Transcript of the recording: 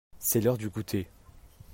c'est l'heure du goûter.